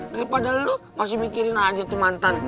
daripada lu masih mikirin aja tuh mantan